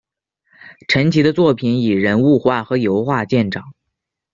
陈奇的作品以人物画和油画见长。